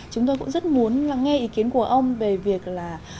chúng tôi cũng rất muốn lắng nghe ý kiến của ông về việc là